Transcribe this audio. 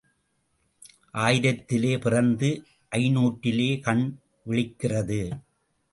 ஆயிரத்திலே பிறந்து ஐந்நூற்றிலே கண் விழிக்கிறது.